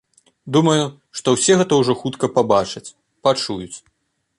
Думаю, што ўсе гэта ўжо хутка пабачаць, пачуюць.